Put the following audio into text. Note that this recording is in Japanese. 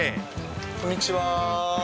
こんにちは。